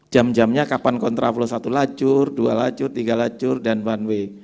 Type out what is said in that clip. jam jamnya kapan kontraflos satu lacur dua lacur tiga lacur dan satu way